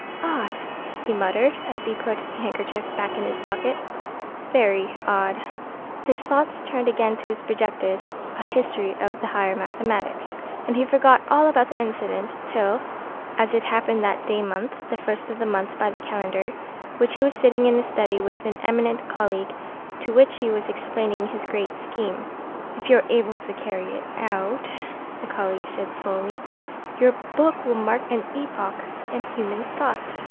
"Odd!" he muttered as he put the handkerchief back in his pocket. "Very odd!" His thoughts turned again to his projected "A History of the Higher Mathematics," and he forgot all about the incident till, as it happened that day month, the first of the month by the calendar, when he was sitting in his study with an eminent colleague to whom he was explaining his great scheme. "If you are able to carry it out," the colleague said slowly, "your book will mark an epoch in human thought.